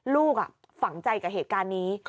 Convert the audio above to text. ลูกฝังใจกับเหตุการณ์นี้